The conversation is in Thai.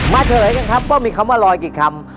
เฉลยกันครับว่ามีคำว่ารอยกี่คำ